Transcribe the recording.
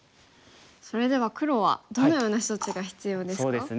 それでは黒はどのような処置が必要ですか？